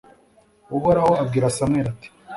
uhoraho abwira samweli, ati